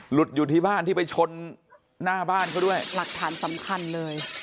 อยู่ที่บ้านที่ไปชนหน้าบ้านเขาด้วยหลักฐานสำคัญเลย